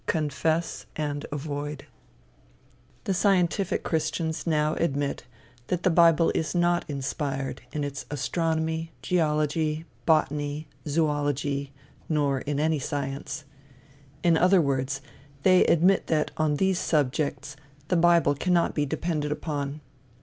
CONFESS AND AVOID The scientific christians now admit that the bible is not inspired in its astronomy, geology, botany, zoology, nor in any science. In other words, they admit that on these subjects, the bible cannot be depended upon.